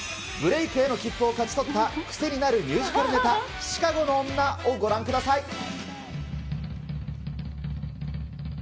ブレークへの切符を勝ち取った、癖になるミュージカルねた、シカゴの女をご覧ください。